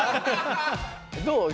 どう？